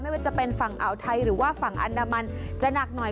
ว่าจะเป็นฝั่งอ่าวไทยหรือว่าฝั่งอันดามันจะหนักหน่อย